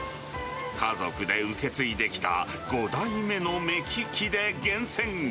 家族で受け継いできた５代目の目利きで厳選。